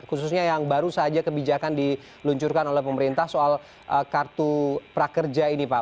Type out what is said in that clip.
khususnya yang baru saja kebijakan diluncurkan oleh pemerintah soal kartu prakerja ini pak